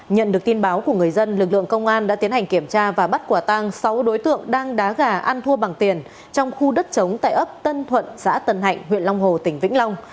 nhận được tin báo của người dân lực lượng công an đã tiến hành kiểm tra và bắt quả tang sáu đối tượng đang đá gà ăn thua bằng tiền trong khu đất chống tại ấp tân thuận xã tân hạnh huyện long hồ tỉnh vĩnh long